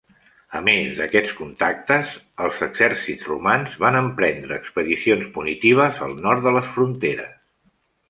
A més d'aquests contactes, els exèrcits romans van emprendre expedicions punitives al nord de les fronteres.